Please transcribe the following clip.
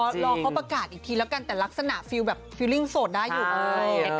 รอเขาประกาศอีกทีแล้วกันแต่ลักษณะฟิลแบบฟิลลิ่งโสดได้อยู่